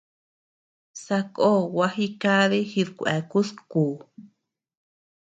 Sakó gua jikadi jidkueakus kú.